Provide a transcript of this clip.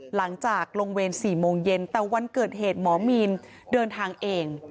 หลังจากลงเวร๔โมงเย็นแต่วันเกิดเหตุหมอมีนเดินทางเอง